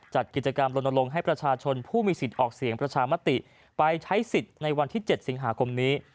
จัดกิจกรรมลนลงให้ประชาชนผู้มีสิทธิ์ออกเสียงประชามติไปใช้สิทธิ์ในวันที่๗สิงหาคมนี้